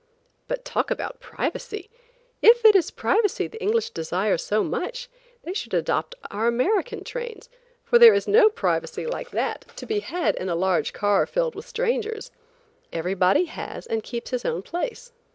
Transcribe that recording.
But talk about privacy! If it is privacy the English desire so much, they should adopt our American trains, for there is no privacy like that to be found in a large car filled with strangers. Everybody has, and keeps his own place.